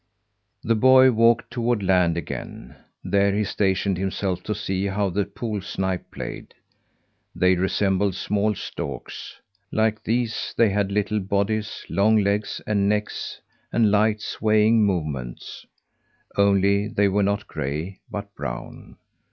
The boy walked toward land again. There he stationed himself to see how the pool snipe played. They resembled small storks; like these, they had little bodies, long legs and necks, and light, swaying movements; only they were not gray, but brown.